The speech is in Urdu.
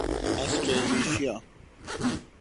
آسٹریلیشیا